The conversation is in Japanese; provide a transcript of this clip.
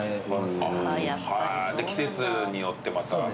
季節によってまた。